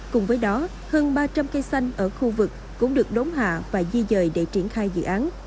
cùng với đó hơn ba trăm linh cây xanh ở khu vực cũng được đốn hạ và di dời để triển khai dự án